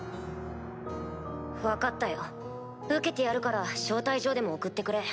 分かったよ受けてやるから招待状でも送ってくれ。